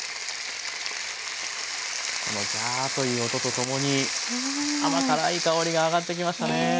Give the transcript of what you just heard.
このザーという音とともに甘辛い香りが上がってきましたね。ね。